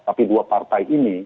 tapi dua partai ini